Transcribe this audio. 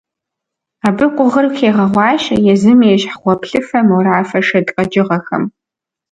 Абы къугъыр хегъэгъуащэ езым ещхь гъуэплъыфэ-морафэ шэд къэкӀыгъэхэм.